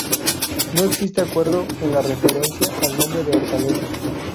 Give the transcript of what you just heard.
No existe acuerdo en la referencia al nombre de Hortaleza.